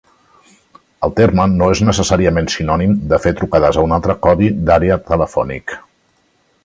El terme no és necessàriament sinònim de fer trucades a un altre codi d'àrea telefònic.